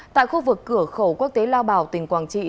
tại khu vực cửa khẩu quốc tế lao bảo tỉnh quảng trị